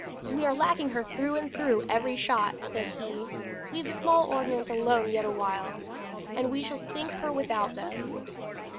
"We are lacking her through and through every shot," said he. "Leave the small ordnance alone yet awhile, and we shall sink her without them."